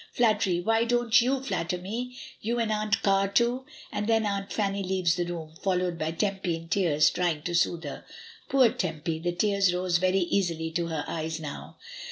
"Flattery! why, don't ^'^w flatter me? you and Aunt Car too?" And then Aunt Fanny leaves the room, followed by Tempy in tears trying to soothe her. Poor Tempy! the tears rose very easily to her eyes now.